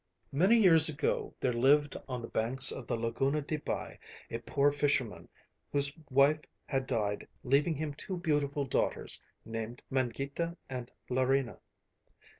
Many years ago there lived on the banks of the Laguna de Bai a poor fisherman whose wife had died, leaving him two beautiful daughters named Mangita and Larina.